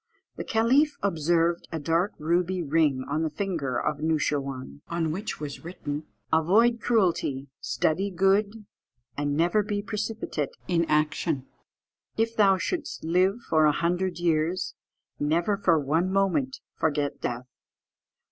The caliph observed a dark ruby ring on the finger of Noosheerwân, on which was written "Avoid cruelty, study good, and never be precipitate in action. "If thou shouldst live for a hundred years, never for one moment forget death.